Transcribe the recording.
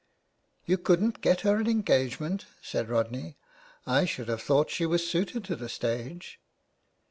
" You couldn't get her an engagement," said Rodney, " I should have thought she was suited to the stage."